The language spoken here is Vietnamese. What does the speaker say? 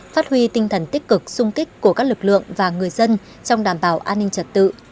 phát huy tinh thần tích cực sung kích của các lực lượng và người dân trong đảm bảo an ninh trật tự